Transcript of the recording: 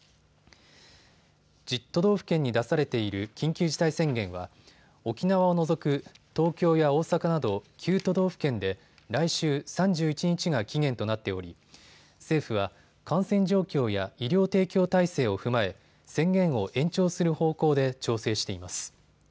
１０都道府県に出されている緊急事態宣言は沖縄を除く東京や大阪など９都道府県で来週３１日が期限となっており、政府は感染状況や医療提供体制を踏まえ宣言を延長する方向で調整しています。